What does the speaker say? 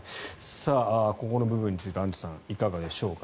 ここの部分についてアンジュさんいかがでしょうか。